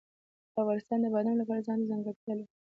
افغانستان د بادام د پلوه ځانته ځانګړتیا لري.